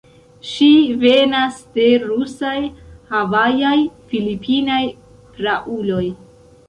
Ŝi venas de rusaj, havajaj, filipinaj prauloj.